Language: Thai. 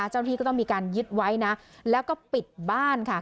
เจ้าหน้าที่ก็ต้องมีการยึดไว้นะแล้วก็ปิดบ้านค่ะ